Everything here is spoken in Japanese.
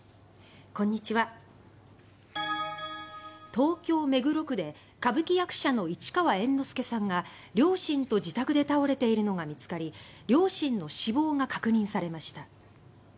東京・目黒区で歌舞伎役者の市川猿之助さんが両親と自宅で倒れているのが見つかり両親の死亡が確認されました。